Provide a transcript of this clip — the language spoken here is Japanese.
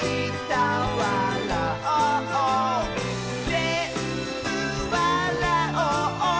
「ぜんぶわらおう！